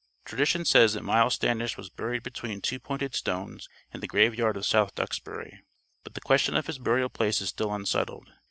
Tradition says that Miles Standish was buried between two pointed stones in the graveyard of South Duxbury, but the question of his burial place is still unsettled.